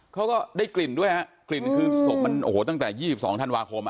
ก็ได้กลิ่นด้วยฮะกลิ่นคือศพมันโอ้โหตั้งแต่๒๒ธันวาคม